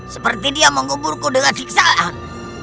seperti dia menguburku dengan siksaan